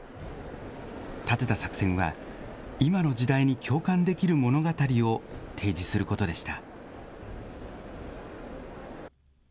立てた作戦は、今の時代に共感できる物語を提示することでした。